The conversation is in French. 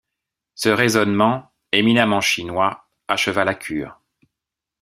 Ce raisonnement, éminemment chinois, acheva la cure.